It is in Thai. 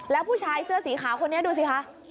แล้วผู้ชายเสื้อสีขาวคนนี้ดูสิคะ